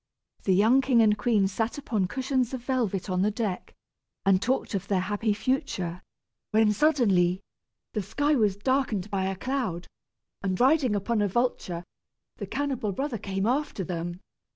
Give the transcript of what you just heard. The young king and queen sat upon cushions of velvet on the deck, and talked of their happy future, when suddenly the sky was darkened as by a cloud, and, riding upon a vulture, the cannibal brother came after them.